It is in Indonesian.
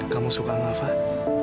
kamu suka nggak fah